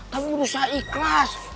tapi gue udah usaha ikhlas